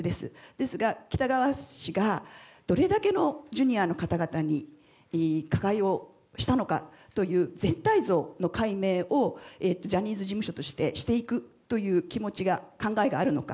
ですが、喜多川氏がどれだけのＪｒ．の方々に加害をしたのかという全体像の解明をジャニーズ事務所としてしていくという気持ちや考えがあるのか。